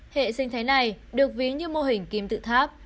hệ sinh thái này được ví như mô hình kim tự tháp